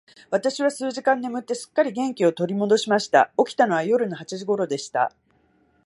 私は数時間眠って、すっかり元気を取り戻しました。起きたのは夜の八時頃でした。